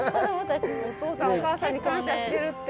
お父さんお母さんに感謝してるって。